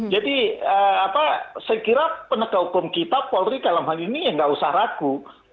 jadi sekiranya penegak hukum kita polri dalam hal ini ya nggak usah ratakan